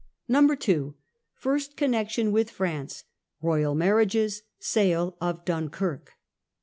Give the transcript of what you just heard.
* 2. First Connection with France. Royal Marriages. Sale of Dunkirk.